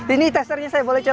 ini testernya saya boleh coba